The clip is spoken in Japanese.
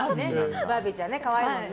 バービーちゃんね、可愛いもんね。